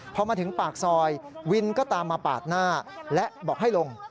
พอมาถึงปากซอยวินก็ตามมาปาดหน้าและบอกให้ลง